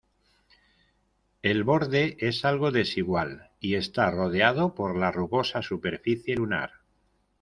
El borde es algo desigual, y está rodeado por la rugosa superficie lunar.